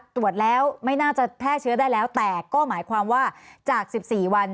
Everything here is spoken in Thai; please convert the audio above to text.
ตรวจแล้วไม่น่าจะแพร่เชื้อได้แล้วแต่ก็หมายความว่าจาก๑๔วัน